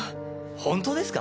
本当ですか？